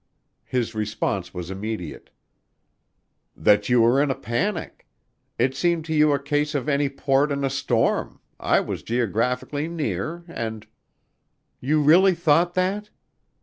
His response was immediate: "That you were in a panic. It seemed to you a case of any port in a storm. I was geographically near and " "You really thought that?"